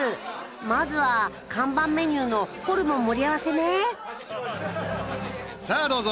まずは看板メニューのホルモン盛り合わせねさあどうぞ！